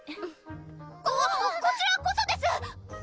ここちらこそです！